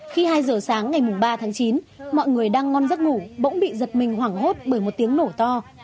khi hai giờ sáng ngày ba tháng chín mọi người đang ngon giấc ngủ bỗng bị giật mình hoảng hốt bởi một tiếng nổ to